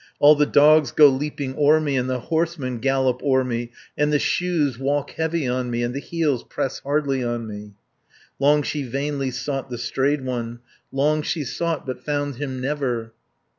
All the dogs go leaping o'er me, And the horsemen gallop o'er me, And the shoes walk heavy on me, And the heels press hardly on me." Long she vainly sought the strayed one, Long she sought, but found him never.